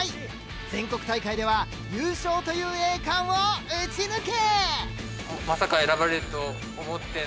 全国大会では優勝という栄冠を撃ち抜け！